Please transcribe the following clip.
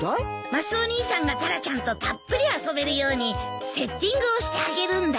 マスオ兄さんがタラちゃんとたっぷり遊べるようにセッティングをしてあげるんだよ。